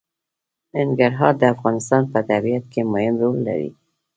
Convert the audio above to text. ننګرهار د افغانستان په طبیعت کې مهم رول لري.